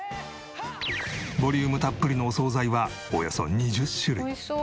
ボリュームたっぷりのお惣菜はおよそ２０種類。